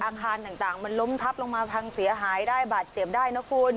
อาคารต่างมันล้มทับลงมาพังเสียหายได้บาดเจ็บได้นะคุณ